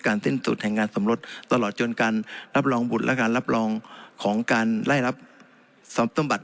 สิ้นสุดแห่งงานสมรสตลอดจนการรับรองบุตรและการรับรองของการไล่รับสมบัติ